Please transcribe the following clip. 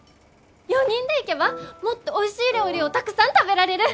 ４人で行けばもっとおいしい料理をたくさん食べられる！